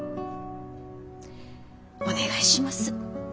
お願いします。